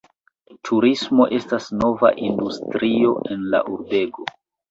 Turismo estas nova industrio en la urbego.